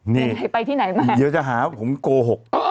นี่เดี๋ยวจะหาผมโกหก